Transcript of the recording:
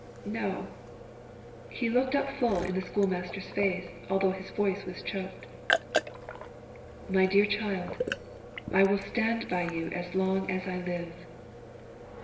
"No;" he looked up full in the school master's face, although his voice was choked. "My dear child, I will stand by you as long as I live."